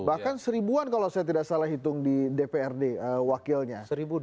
bahkan seribuan kalau saya tidak salah hitung di dprd wakilnya